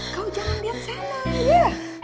kau jangan liat sena ya